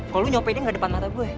kalau lo nyopainnya gak depan mata gue